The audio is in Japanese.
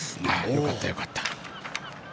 よかった、よかった。